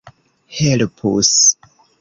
helpus